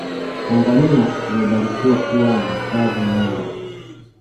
tanzania imebarikiwa kuwa na hifadhi nyingi